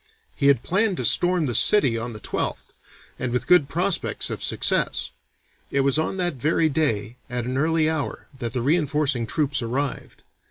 He had planned to storm the city on the 12th, and with good prospects of success; it was on that very day at an early hour, that the reinforcing troops arrived.